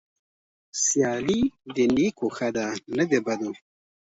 سيالي د نيکو ښه ده نه د بدو.